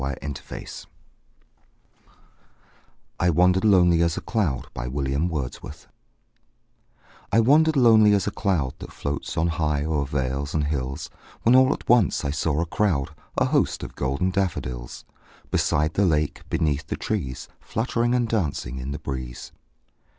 William Wordsworth I Wandered Lonely As a Cloud I WANDERED lonely as a cloud That floats on high o'er vales and hills, When all at once I saw a crowd, A host, of golden daffodils; Beside the lake, beneath the trees, Fluttering and dancing in the breeze.